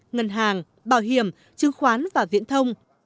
ngân hàng bảo hiểm chứng khoán và viễn thông